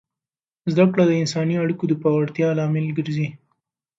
زده کړه د انساني اړیکو د پیاوړتیا لامل ګرځي.